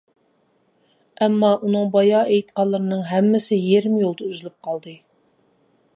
ئەمما ئۇنىڭ بايا ئېيتقانلىرىنىڭ ھەممىسى يېرىم يولدا ئۈزۈلۈپ قالدى.